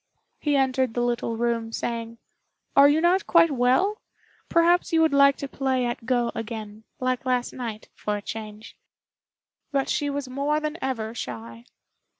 He entered the little room, saying, "Are you not quite well? Perhaps you would like to play at Go again, like last night, for a change;" but she was more than ever shy.